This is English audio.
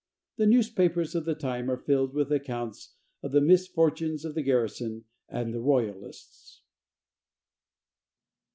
The newspapers of the time are filled with accounts of the misfortunes of the garrison and the royalists.